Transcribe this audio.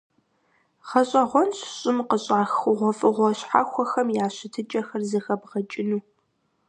ГъэщӀэгъуэнщ щӀым къыщӀах хъугъуэфӀыгъуэ щхьэхуэхэм я щытыкӀэхэр зэхэбгъэкӀыну.